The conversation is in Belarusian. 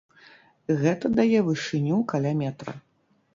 Гэта дае вышыню каля метра.